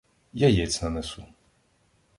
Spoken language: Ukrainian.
- Яєць нанесу.